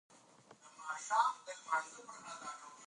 خدمت د خلکو د اړتیاوو پوره کولو لپاره دی.